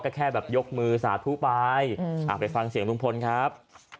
ก็แค่แบบยกมือสาธุไปไปฟังเสียงลุงพลครับ